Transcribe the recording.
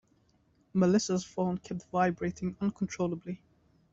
Melissa's phone kept vibrating uncontrollably.